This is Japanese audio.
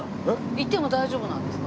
行っても大丈夫なんですか？